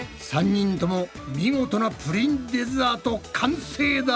３人とも見事なプリンデザート完成だ！